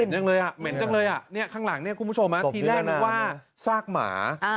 เหม็นจังเลยข้างหลังนี่คุณผู้ชมที่แรกที่ว่าสร้างหมา